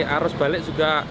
arus balik juga